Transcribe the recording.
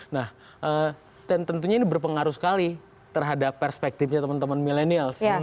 nah dan tentunya ini berpengaruh sekali terhadap perspektifnya teman teman milenials